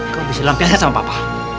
kamu bisa dalam piawai sama papa